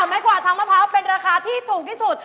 ไม้กวาดทางมะพร้าวเป็นราคาที่ถูกที่สุด